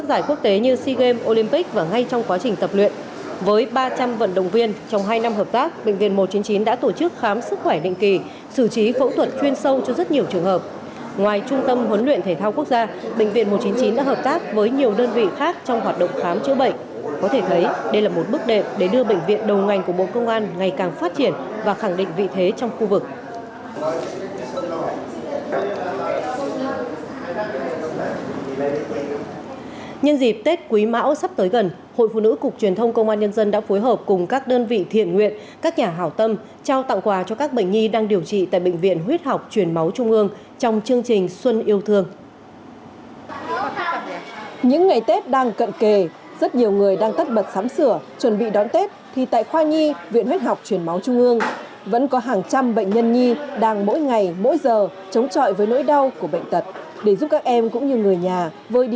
dịp tết năm nay hội phụ nữ cục truyền thông công an nhân dân cùng các nhà hảo tâm đã trao hơn năm mươi xuất quà cho các bệnh nhi có hoàn cảnh đặc biệt khó khăn đang điều trị tại đây